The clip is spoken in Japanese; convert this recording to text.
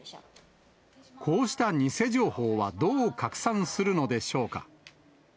こうした偽情報はどう拡散するのでしょうか。